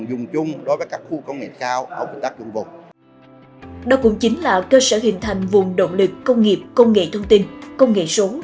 đó cũng chính là cơ sở hình thành vùng động lực công nghiệp công nghệ thông tin công nghệ số